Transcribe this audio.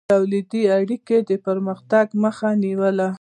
تولیدي اړیکې د پرمختګ مخه نیوله.